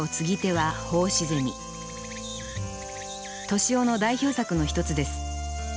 敏郎の代表作の一つです。